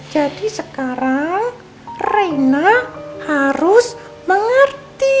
jadi sekarang reina harus mengerti